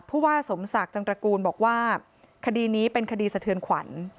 ผู้ว่าสมศักดิ์จังตระกูลบอกว่าคดีนี้เป็นคดีสะเทือนขวัญ